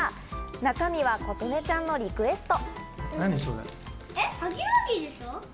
中身はことねちゃんのリクエスト。